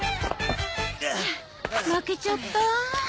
負けちゃった。